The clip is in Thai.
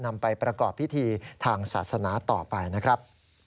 นำไปประกอบพิธีทางศาสนาต่อไปนะครับ